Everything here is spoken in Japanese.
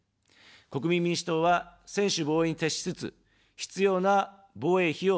国民民主党は、専守防衛に徹しつつ、必要な防衛費を増額します。